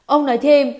ông nói thêm